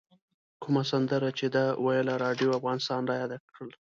کومه سندره چې ده ویله راډیو افغانستان رایاد کړ.